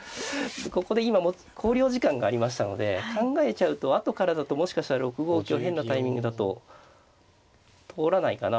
ここで今考慮時間がありましたので考えちゃうと後からだともしかしたら６五香変なタイミングだと通らないかなと。